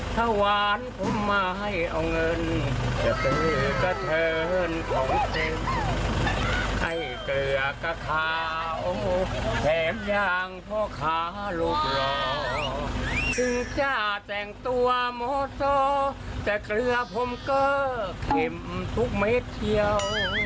แต่เกลือผมก็เข็มทุกเม็ดเทียว